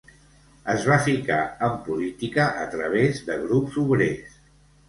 Es va ficar en política a través de grups obrers.